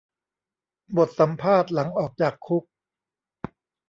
บทสัมภาษณ์หลังออกจากคุก